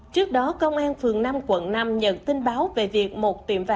trước đó công an phường năm quận năm nhận tin báo về việc một tiệm vàng